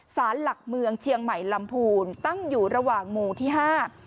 สารหลักเมืองเชียงใหม่ลำพูนตั้งอยู่ระหว่างหมู่ที่ห้า